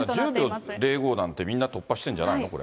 だから、１０秒０５なんてみんな突破してるんじゃないの、これ。